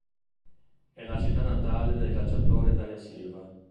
È la città natale del calciatore Darío Silva.